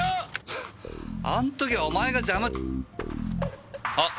フンッあん時はお前が邪魔あっ！？